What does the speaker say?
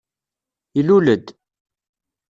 Yulel-d.